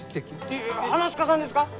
いや噺家さんですか！？